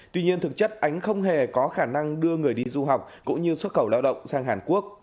tuy nhiên thực chất ánh không hề có khả năng đưa người đi du học cũng như xuất khẩu lao động sang hàn quốc